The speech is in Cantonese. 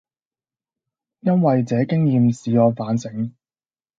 因爲這經驗使我反省，